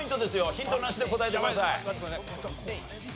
ヒントなしで答えてください。